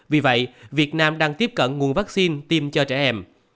vì vậy việt nam đang tiếp cận nguồn vaccine tiêm cho trẻ em